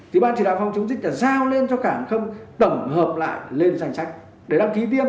thì ban chỉ đạo phòng chống dịch đã giao lên cho cảng không tổng hợp lại lên danh sách để đăng ký tiêm